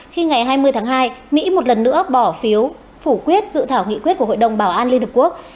khi ngày hai mươi tháng hai mỹ một lần nữa bỏ phiếu phủ quyết dự thảo nghị quyết của hội đồng bảo an liên hợp quốc